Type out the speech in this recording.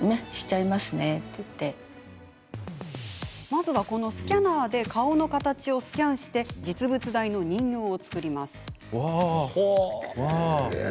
まずは、このスキャナーで顔の形をスキャンして実物大の人形を作ります。